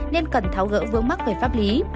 nên cần tháo gỡ vương mắc về pháp lý